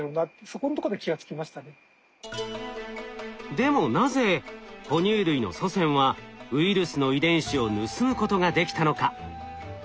でもなぜほ乳類の祖先はウイルスの遺伝子を盗むことができたのか。